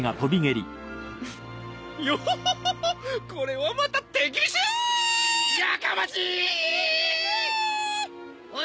ッヨホホホホッこれはまた手厳しッやかましーっ！